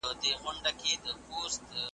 پیغام ته لومړۍ درجه او کلماتو .